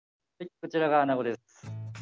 こちらがアナゴです。